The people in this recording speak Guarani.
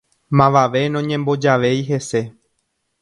Mavave noñembojavéi hese